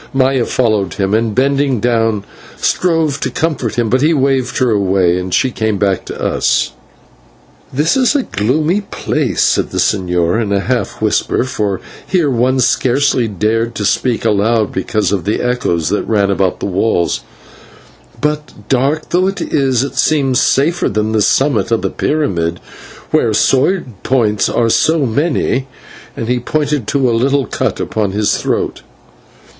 Maya followed him and, bending down, strove to comfort him, but he waved her away and she came back to us. "This is a gloomy place," said the señor, in a half whisper, for here one scarcely dared to speak aloud because of the echoes that ran about the walls, "but, dark though it is, it seems safer than the summit of the pyramid, where sword points are so many," and he pointed to a little cut upon his throat.